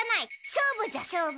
勝負じゃ勝負！